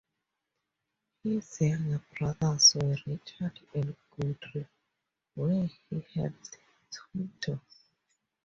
His younger brothers were Richard and Godrey whom he helped tutor.